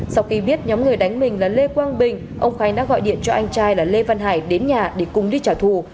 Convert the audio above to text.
sau khi biết nhóm người đánh mình là lê quang bình ông khánh đã gọi điện cho anh trai là lê văn hải đến nhà để cùng đi trả thù